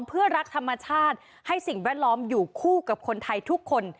เพื่อรักธรรมชาติให้สิ่งแวดล้อมอยู่คู่กับคนไทยทุกคน